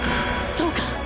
そうか！